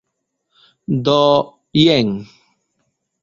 Do, jen.